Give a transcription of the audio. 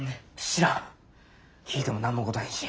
知らん聞いても何も答えんし。